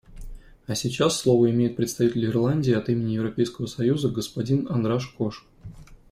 А сейчас слово имеет представитель Ирландии от имени Европейского союза — господин Андраш Кош.